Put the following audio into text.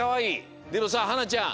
でもさはなちゃん